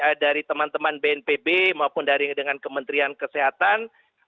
walaupun dari dari dari teman teman bnpb maupun dari dengan kementerian kesehatan